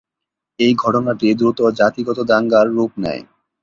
এই ঘটনাটি দ্রুত জাতিগত দাঙ্গার রূপ নেয়।